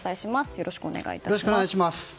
よろしくお願いします。